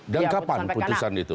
dan kapan putusan itu